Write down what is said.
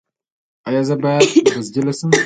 ایا زه باید بزدل شم؟